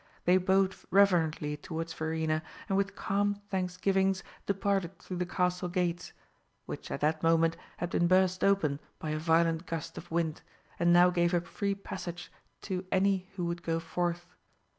They bowed reverently towards Verena, and with calm thanksgivings departed through the castle gates, which at that moment had been burst open by a violent gust of wind, and now gave a free passage to any who would go forth.